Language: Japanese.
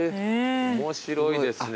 面白いですね。